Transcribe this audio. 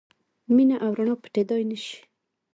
مینه او رڼا پټېدای نه شي.